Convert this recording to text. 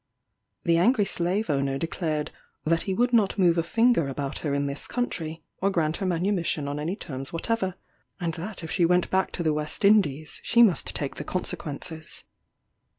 The angry slave owner declared "that he would not move a finger about her in this country, or grant her manumission on any terms whatever; and that if she went back to the West Indies, she must take the consequences."